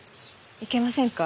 いけませんか？